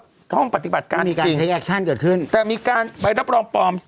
ที่ห้องปฏิบัติการจริงแต่มีการใบรับรองปลอม